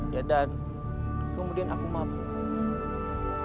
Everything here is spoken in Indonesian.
ya dan kemudian aku mabuk